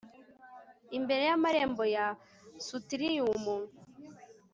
Imbere yamarembo ya Sutrium